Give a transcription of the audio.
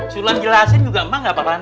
sudah jelasin juga emang nggak paham paham